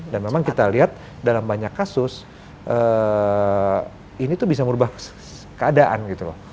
dan memang kita lihat dalam banyak kasus ini tuh bisa merubah keadaan gitu loh